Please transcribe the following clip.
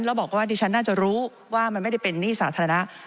แล้วบอกว่าดิฉันน่าจะรู้ว่ามันไม่ได้เป็นหนี้สาธารณะ